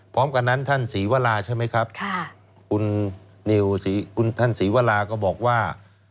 พร้อมกันนั้นท่านศรีวราใช่ไหมครับคุณนิวคุณท่านศรีวราก็บอกว่า